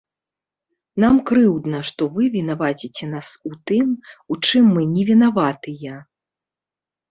Нам крыўдна, што вы вінаваціце нас у тым, у чым мы не вінаватыя.